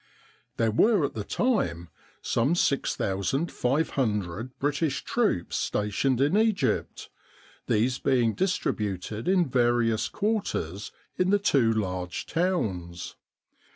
There were at the time some 6,500 British troops stationed in Egypt, these being distributed in various quarters in the two large towns.